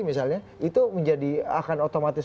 misalnya itu menjadi akan otomatis